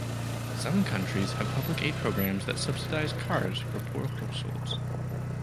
Some countries have public aid programs that subsidize cars for poor households.